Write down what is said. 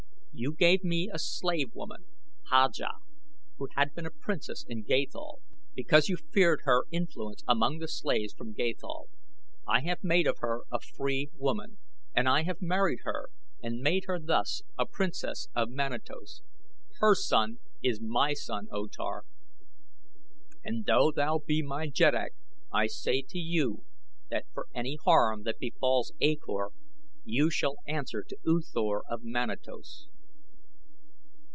"You gave me a slave woman, Haja, who had been a princess in Gathol, because you feared her influence among the slaves from Gathol. I have made of her a free woman, and I have married her and made her thus a princess of Manatos. Her son is my son, O Tar, and though thou be my jeddak, I say to you that for any harm that befalls A Kor you shall answer to U Thor of Manatos."